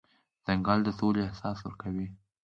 ځنګل د سولې احساس ورکوي.